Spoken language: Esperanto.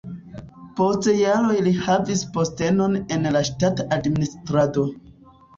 Post jaroj li havis postenon en la ŝtata administrado.